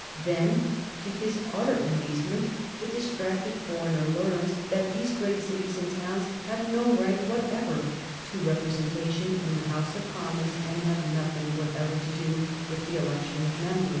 Then, to his utter amazement, the distracted foreigner learns that these great cities and towns have no right whatever to representation in the House of Commons, and have nothing whatever to do with the election of members.